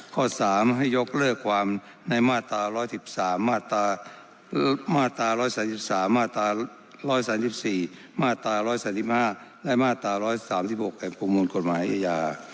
ข้อ๓ให้ยกเลิกความในมาตรา๑๑๓มาตรา๑๓๓มาตรา๑๓๔มาตรา๑๓๕และมาตรา๑๓๖แห่งประมวลกฎหมายอาญา